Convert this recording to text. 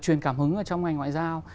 truyền cảm hứng ở trong ngành ngoại giao